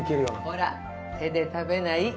コラ手で食べない。